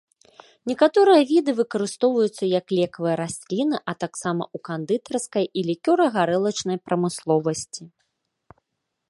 Некаторыя віды выкарыстоўваюцца як лекавыя расліны, а таксама ў кандытарскай і лікёра-гарэлачнай прамысловасці.